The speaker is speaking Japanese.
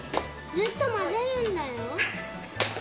ずっと混ぜるんだよ。